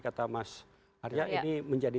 kata mas arya ini menjadi